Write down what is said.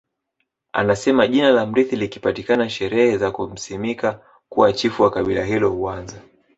Anasema jina la mrithi likipatikana sherehe za kumsimika kuwa Chifu wa kabila hilo huanza